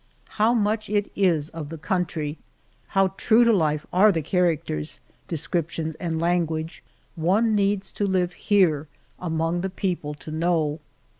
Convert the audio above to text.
How much it is of the country, how true to life are the characters, descriptions and language, one needs to live here among the people to know.